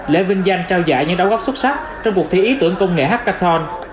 lễ vinh danh trao giải những đấu gốc xuất sắc trong cuộc thi ý tưởng công nghệ hackathon